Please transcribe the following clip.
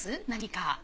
何か。